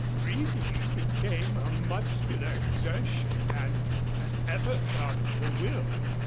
Breathing became a muscular exertion and an effort of the will.